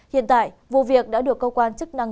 hiện tại vụ việc đã được cơ quan chức năng